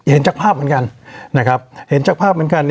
เห็นจากภาพเหมือนกันนะครับเห็นจากภาพเหมือนกัน